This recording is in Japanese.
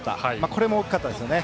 これも大きかったですね。